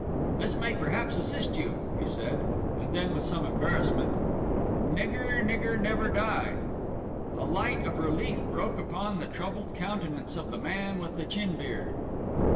'This may, perhaps, assist you,' he said, and then, with some embarrassment, '"Nigger, nigger, never die."' A light of relief broke upon the troubled countenance of the man with the chin beard.